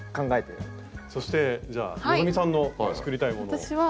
そしてじゃあ希さんの作りたいものを。